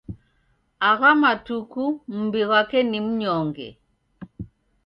Agha matuku mumbi ghwape ni mnyonge.